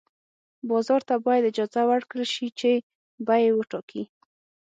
بازار ته باید اجازه ورکړل شي چې بیې وټاکي.